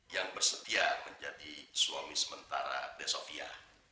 yang bersedia menjadi suami sementara besofia